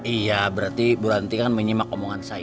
iya berarti bu ranti kan menyimak omongan saya